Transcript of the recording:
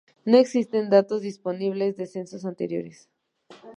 No existen datos disponibles de censos anteriores.